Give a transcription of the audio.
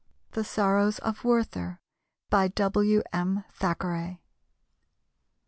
THE SORROWS OF WERTHER. W. M. THACKERAY.